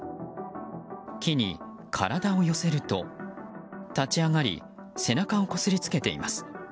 木に体を寄せると立ち上がり背中をこすりつけています。